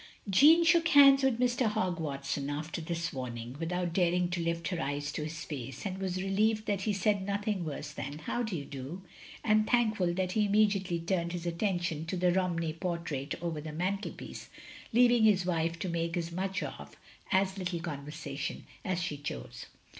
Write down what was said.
Jeanne shook hands with Mr. Hogg Watson, after this warning, without daring to lift her eyes to his face; and was relieved that he said nothing worse than "How do you do?" and thankful that he immediately turned his atten tion to the Romney portrait over the mantelpiece, leaving his wife to make as much or as little conversation as she chose.